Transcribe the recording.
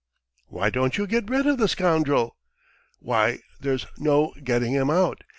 "Why don't you get rid of the scoundrel?" "Why, there's no getting him out!